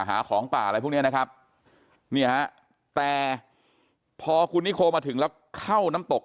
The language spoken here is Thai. หาของป่าอะไรพวกนี้นะครับเนี่ยแต่พอคุณนิโคมาถึงแล้วเข้าน้ำตก